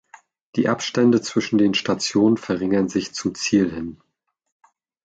Die Abstände zwischen den Stationen verringern sich zum Ziel hin.